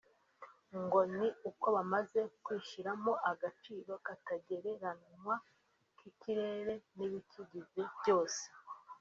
ngo ni uko bamaze kwishyiramo agaciro katagereranywa k’ikirere n’ibikigize byose